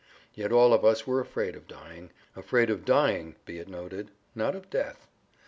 Yet all of us were afraid of dying—afraid of dying, be it noted, not of death.